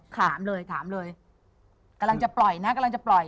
กำลังจะปล่อยนะกำลังจะปล่อย